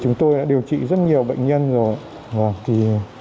chúng tôi đã điều trị rất nhiều bệnh nhân rồi